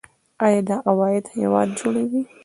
آیا دا عواید هیواد جوړوي؟